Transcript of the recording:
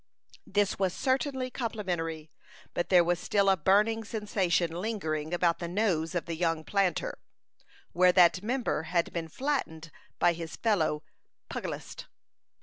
This was certainly complimentary, but there was still a burning sensation lingering about the nose of the young planter, where that member had been flattened by his fellow pugilist.